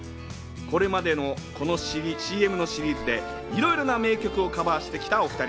これまでのこのＣＭのシリーズで、いろいろな名曲をカバーしてきたお２人。